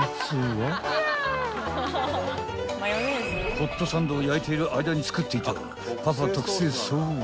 ［ホットサンドを焼いてる間に作っていた］